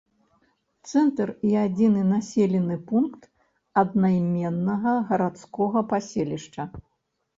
Цэнтр і адзіны населены пункт аднайменнага гарадскога паселішча.